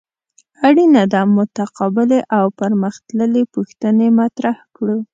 اړینه ده متقابلې او پرمخ تللې پوښتنې مطرح کړو.